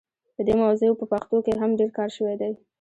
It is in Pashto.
په دې موضوع په پښتو کې هم ډېر کار شوی دی.